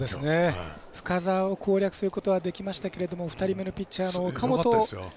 深沢を攻略することはできましたけど２人目のピッチャーの岡本。